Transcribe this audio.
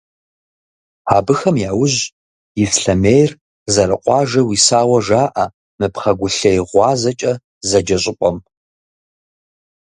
Абыхэм яужь Ислъэмейр зэрыкъуажэу исауэ жаӏэ мы «Пхъэгулъей гъуазэкӏэ» зэджэ щӏыпӏэм.